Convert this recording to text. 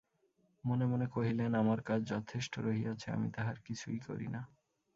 মনে মনে কহিলেন, আমার কাজ যথেষ্ট রহিয়াছে, আমি তাহার কিছুই করি না।